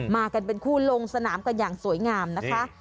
มากันเป็นคู่ลงสนามกันอย่างสวยงามนะคะ